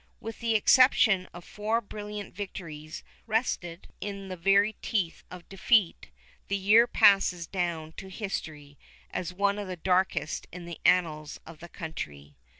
With the exception of four brilliant victories wrested in the very teeth of defeat, the year passes down to history as one of the darkest in the annals of the country.